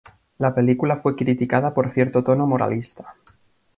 La película fue criticada por cierto tono moralista.